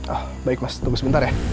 ah baik mas tunggu sebentar ya